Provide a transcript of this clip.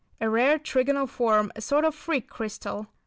A rare trigonal form, a sort of "freak" crystal.